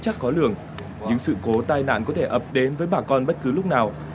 chắc khó lường những sự cố tai nạn có thể ập đến với bà con bất cứ lúc nào